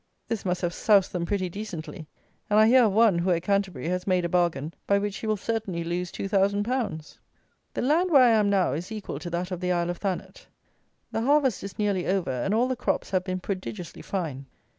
This must have soused them pretty decently; and I hear of one, who, at Canterbury, has made a bargain by which he will certainly lose two thousand pounds. The land where I am now is equal to that of the Isle of Thanet. The harvest is nearly over, and all the crops have been prodigiously fine.